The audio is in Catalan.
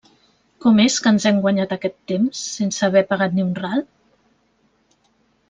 Com és que ens hem guanyat aquest temps, sense haver pagat ni un ral?